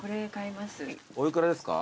お幾らですか？